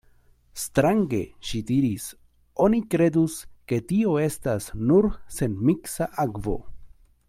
Strange, ŝi diris: oni kredus, ke tio estas nur senmiksa akvo.